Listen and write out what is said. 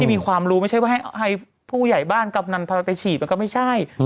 มีความรู้ไม่ใช่ว่าให้ผู้ใหญ่บ้านกำนันพาไปฉีดมันก็ไม่ใช่